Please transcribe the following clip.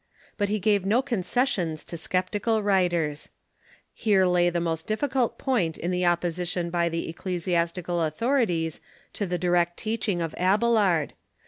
But he gave no concessions to sceptical writers. Here 184 THE MEDIJEVAL CHURCH lay the most difficult point in the opposition by the ecclesias tical authorities to the direct teaching of Abelard.